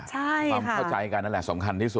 ใช่ค่ะความเข้าใจการนั้นแหละสำคัญที่สุด